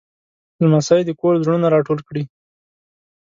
لمسی د کور زړونه راټول کړي.